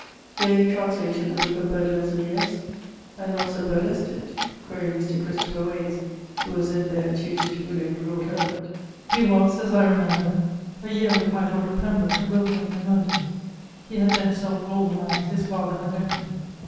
Here he translated the ... booke of Vergil's Æneis, and also burlesqu't it[LXIV.]: quaere Mr. Christopher Wase who was then there, tutor to William, lord Herbert. He was, as I remember, a yeare with my lord of Pembroke at Wilton and London; he had then sold all the lands his father had left him.